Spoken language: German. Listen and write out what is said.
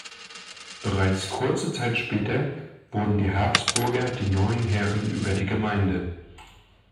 Bereits kurze Zeit später wurden die Habsburger die neuen Herren über die Gemeinde.